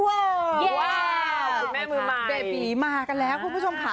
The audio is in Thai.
เย้คุณแม่มือใหม่บีบีมากันแล้วคุณผู้ชมค่ะ